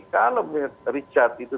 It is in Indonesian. kalau richard itu